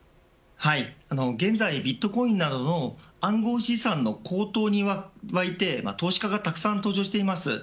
現在ビットコインなどの暗号資産の高騰に沸いて投資家がたくさん登場しています。